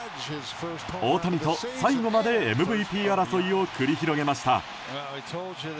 大谷と最後までＭＶＰ争いを繰り広げました。